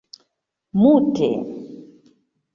mute